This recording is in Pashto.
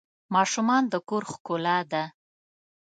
ماشومان د کور ښکلا ده.